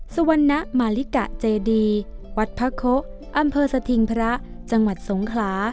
สุวรรณมาลิกะเจดีวัดพระโคอำเภอสถิงพระจังหวัดสงขลา